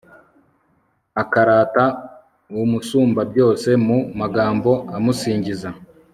akarata umusumbabyose mu magambo amusingiza